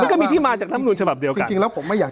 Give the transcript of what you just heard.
ก็มีที่มาจากรำนูลฉบับเดียวจริงแล้วผมไม่อยาก